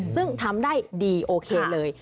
ซึ่งทำได้ดีโอเคเลย